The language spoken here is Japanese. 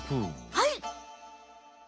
はい。